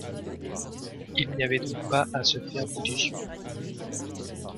Il n’y avait donc pas à se faire d’illusions.